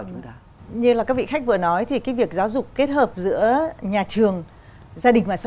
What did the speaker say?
chúng ta như là các vị khách vừa nói thì cái việc giáo dục kết hợp giữa nhà trường gia đình và xã